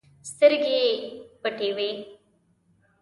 سترګې يې پټې وې.